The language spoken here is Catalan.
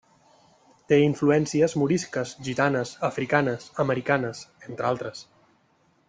Té influències morisques, gitanes, africanes, americanes, entre altres.